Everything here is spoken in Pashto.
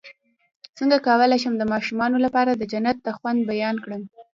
څنګه کولی شم د ماشومانو لپاره د جنت د خوند بیان کړم